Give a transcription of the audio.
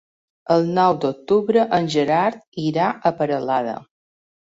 El nou d'octubre en Gerard irà a Peralada.